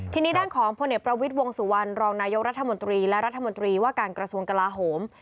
ทีนี้ด้านของพลเอกประวิทย์วงสุวรรณรองนายกรัฐมนตรีและรัฐมนตรีว่าการกระทรวงกลาโหม